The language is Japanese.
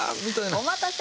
「お待たせ！」